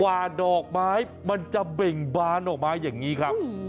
ว่าดอกไม้มันจะเบ่งบานออกมาอย่างนี้ครับ